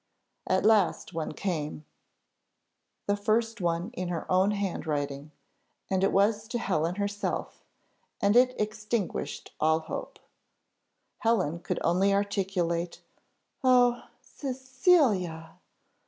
At last one came, the first in her own hand writing, and it was to Helen herself, and it extinguished all hope. Helen could only articulate, "Oh! Cecilia!"